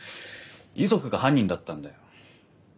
遺族が犯人だったんだよ。